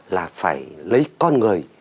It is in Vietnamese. là phải lấy con người